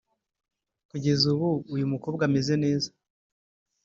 Kugeza ubu uyu mukobwa ameze neza